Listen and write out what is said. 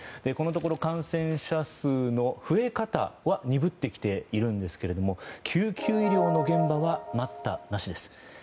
このところ感染者数の増え方は鈍ってきているんですけれども救急医療の現場は待ったなしです。